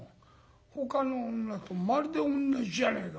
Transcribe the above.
ほかの女とまるでおんなじじゃねえか。